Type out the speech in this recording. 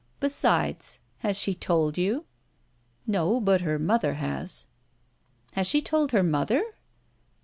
"Besides, has she told you?" "No, but her mother has." "Has she told her mother?"